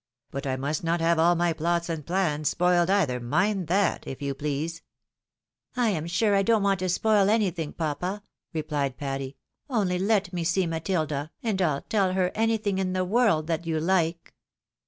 But I must not have all my plots and plans spoiled either, mind that, if you please." " I am sure I don't want to spoU anything, papa !" rephed Patty ;" only let me see Matilda^, and I'll tell her anything in the world that you like